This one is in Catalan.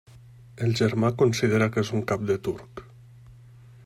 El germà considera que és un cap de turc.